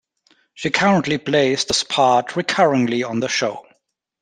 She currently plays this part recurringly on the show.